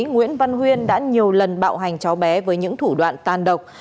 nguyễn văn huyên đã nhiều lần bạo hành cháu bé với những thủ đoạn tan độc